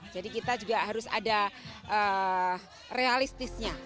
jadi kita juga harus ada realistisnya